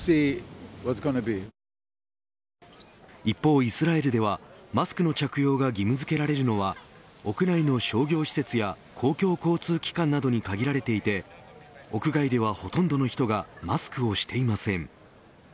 一方、イスラエルではマスクの着用が義務付けられるのは屋内の商業施設や公共交通機関などに限られていて屋外では、ほとんどの人がマスクをしていません。